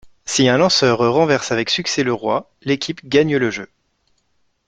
Si un lanceur renverse avec succès le roi, l'équipe gagne le jeu.